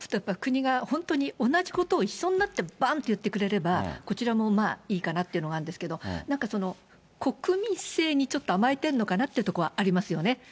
自治体のトップと国が本当に同じことを一緒になってばんって言ってくれれば、こちらもいいかなっていうのがあるんですけど、なんか国民性にちょっと甘えてるのかなというところはありますよね。